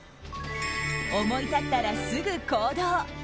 思い立ったら、すぐ行動。